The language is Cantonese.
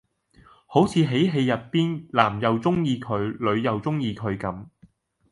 好似喺戲入邊男又鍾意佢女又鍾意佢咁